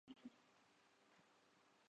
ان کی شخصیت کی اٹھان مذہبی تھی۔